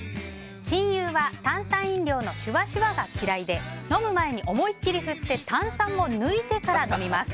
親友は炭酸飲料のシュワシュワが嫌いで飲む前に思い切り振って炭酸を抜いてから飲みます。